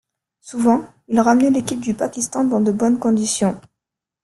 Souvent, il ramenait l'équipe du Pakistan dans de bonnes conditions.